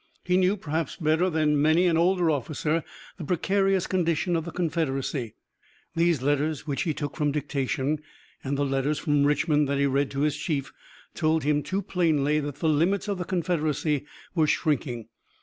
He knew perhaps better than many an older officer the precarious condition of the Confederacy. These letters, which he took from dictation, and the letters from Richmond that he read to his chief, told him too plainly that the limits of the Confederacy were shrinking.